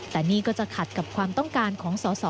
แต่นี่ก็จะขัดกับความต้องการของสอสอ